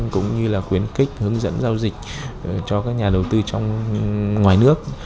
cũng như là khuyến kích hướng dẫn giao dịch cho các nhà đầu tư trong ngoài nước